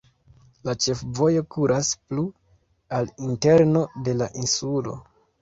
La ĉefvojo kuras plu al interno de la insulo.